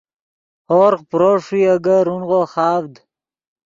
ہورغ پرو ݰوئے اےگے رونغو خاڤد